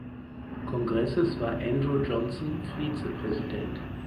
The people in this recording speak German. Kongresses war Andrew Johnson Vizepräsident.